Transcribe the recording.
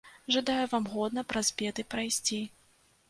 Жадаю вам годна праз беды прайсці.